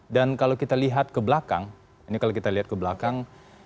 dan kalau kita lihat ke belakang